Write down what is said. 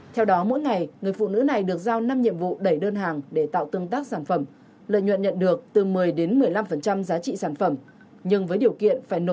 theo đó mỗi ngày người phụ nữ này được giao năm nhiệm vụ đẩy đơn hàng để tạo tương tác sản phẩm lợi nhuận nhận được từ một mươi đến một mươi năm giá trị sản phẩm